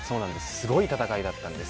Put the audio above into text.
すごい戦いだったんです。